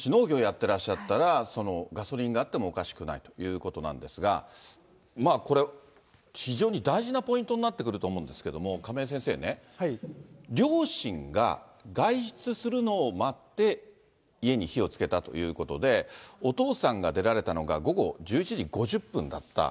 てらっしゃったら、ガソリンがあってもおかしくないということなんですが、これ、非常に大事なポイントになってくると思うんですけれども、亀井先生ね、両親が外出するのを待って、家に火をつけたということで、お父さんが出られたのが午後１１時５０分だった。